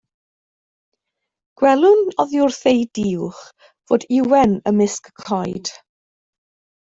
Gwelwn oddi wrth eu duwch fod ywen ymysg y coed.